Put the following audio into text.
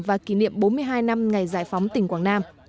và kỷ niệm bốn mươi hai năm ngày giải phóng tỉnh quảng nam